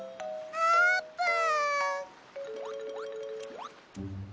あーぷん？